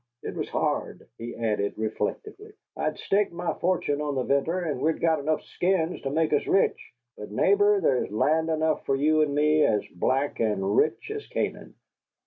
It was hard," he added reflectively; "I had staked my fortune on the venter, and we'd got enough skins to make us rich. But, neighbor, there is land enough for you and me, as black and rich as Canaan."